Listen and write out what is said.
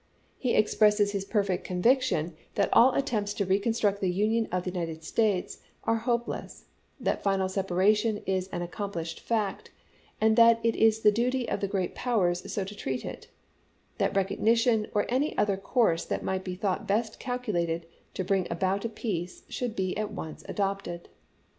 He expresses his perfect conviction that all attempts to reconstruct the Union of the United States are hopeless ; that final separation is an accomplished fact ; and that it is the duty of the great powers so to treat it; that recognition, or any other course that might be thought best calculated to bring • about a peace, should be at once adopted.